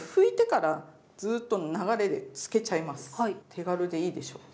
手軽でいいでしょ？